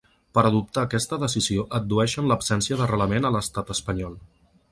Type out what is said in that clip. Per adoptar aquesta decisió addueixen l’absència d’arrelament a l’estat espanyol.